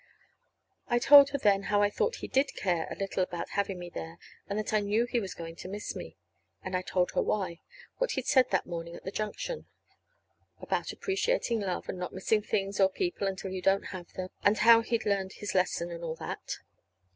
I told her then how I thought he did care a little about having me there, and that I knew he was going to miss me. And I told her why what he'd said that morning in the junction about appreciating love, and not missing things or people until you didn't have them; and how he'd learned his lesson, and all that.